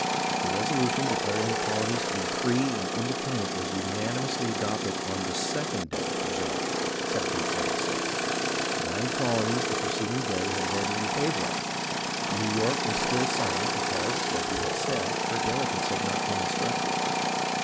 The resolution declaring the colonies to be free and independent was unanimously adopted on the second day of July, I J'j^. Nine colonies the preceding day had voted in favour of it. New York was silent because, as we have said, her delegates had not been instructed.